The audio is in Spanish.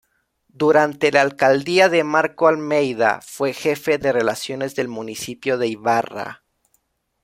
Durante la alcaldía de Marco Almeida fue jefe de relaciones del municipio de Ibarra.